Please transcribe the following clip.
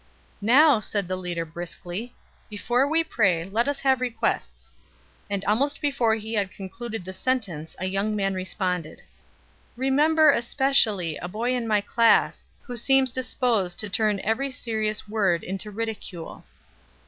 "Now," said the leader briskly, "before we pray let us have requests." And almost before he had concluded the sentence a young man responded. "Remember, especially, a boy in my class, who seems disposed to turn every serious word into ridicule."